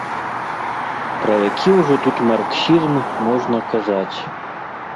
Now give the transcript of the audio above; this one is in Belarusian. Пра які ўжо тут марксізм можна казаць?!